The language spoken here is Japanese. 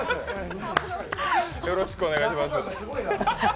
よろしくお願いします。